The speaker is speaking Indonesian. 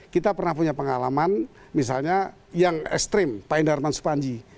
kita pernah punya pengalaman misalnya yang ekstrim pak indarman supanji